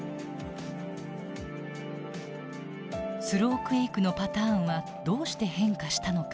スロークエイクのパターンはどうして変化したのか。